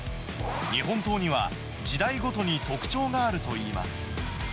日本刀には時代ごとに特徴があるといいます。